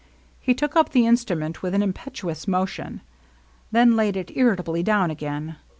He took up the instrument with an impetuous motion ; then laid it irritably down again.